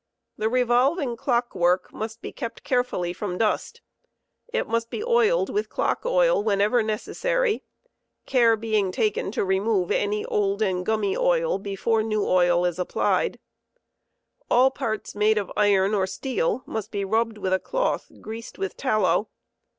46. The revolving clock work must be kept carefully from dust; it must be oiled with clock oil whenever necessary, care being taken to remove any old and gummy oil before new oil is applied. All parts made of iron or steel must be rubbed with a cloth greased with tallow.